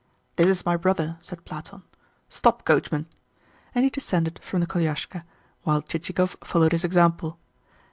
"This is my brother," said Platon. "Stop, coachman." And he descended from the koliaska, while Chichikov followed his example.